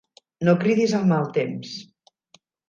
No cridis al mal temps.